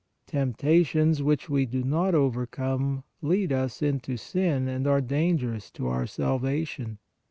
Temptations which we do not overcome lead us into sin and are dangerous to our salvation.